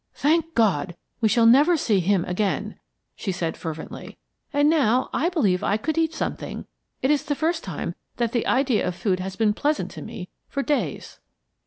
"Thank God, we shall never see him again," she said, fervently. "And now, I believe I could eat something. It is the first time that the idea of food has been pleasant to me for days."